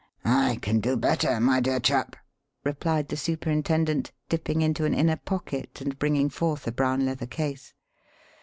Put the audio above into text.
"I can do better, my dear chap," replied the superintendent, dipping into an inner pocket and bringing forth a brown leather case.